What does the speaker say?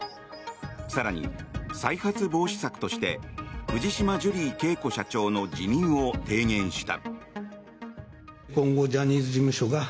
更に、再発防止策として藤島ジュリー景子社長の辞任を提言した。